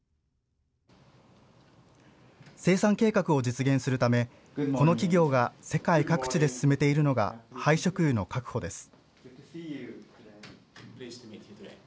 生産計画を実現するため、この企業が世界各地で進めているのが廃食油の確保です。